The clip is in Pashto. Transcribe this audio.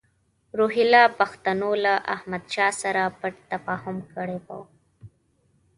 روهیله پښتنو له احمدشاه سره پټ تفاهم کړی وو.